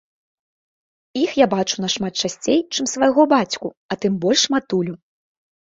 Іх я бачу нашмат часцей, чым свайго бацьку, а тым больш матулю.